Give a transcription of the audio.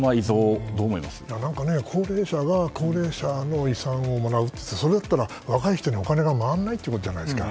高齢者は高齢者の遺産を貰うってそれじゃ、若い人にお金が回らないってことじゃないですか。